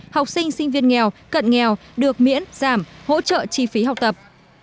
học sinh sinh viên nghèo cận nghèo được miễn giảm hỗ trợ chi phí học tập